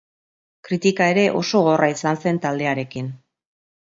Kritika ere oso gogorra izan zen taldearekin.